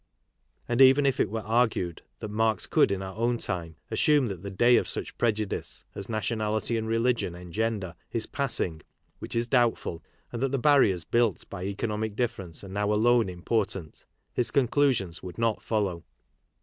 And even if it were argued that Marx; could in our own time assume that the day of such pre judice as nationality and religion engender is passing (which is doubtful), and that the barriers built by economic difference are now alone important, his con clusions would not follow.